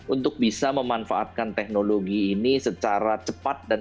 untuk bisa memanfaatkan teknologi yang sangat penting